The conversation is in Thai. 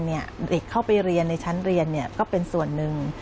เด็กเข้าไปเรียนในชั้นเรียนก็เป็นส่วนหนึ่ง